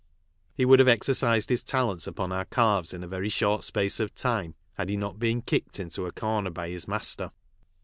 He would have exercised his talents upon our calves in a very short space of time, had he not been kicked into a corner by bis master.